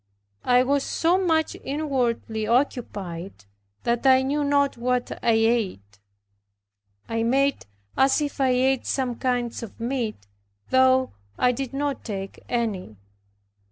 I was so much inwardly occupied that I knew not what I ate. I made as if I ate some kinds of meat, though I did not take any.